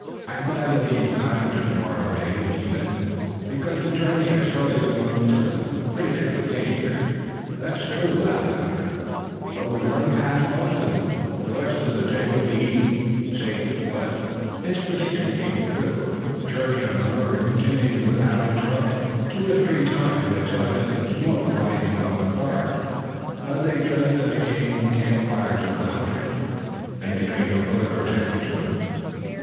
"I'm glad we'll be in Canada tomorrow, Dave," he said, "because the journey has surely been most difficult." "Pretty thick with dangers, that's true," laughed the hunter, "but we've run past most of 'em. The rest of the day will be easy, safe and pleasant." His prediction came true, their journey on the river continuing without interruption. Two or three times they saw distant smoke rising above the forest, but they judged that it came from the camp fires of hunters, and they paid no further attention to it.